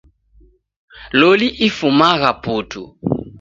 Loli ifumagha putu.